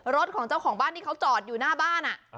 รถของเจ้าของบ้านที่เขาจอดอยู่หน้าบ้าน